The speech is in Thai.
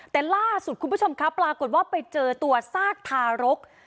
แต่ล่าสุดคุณผู้ชมครับปรากฏว่าไปเจอตัวซากทารก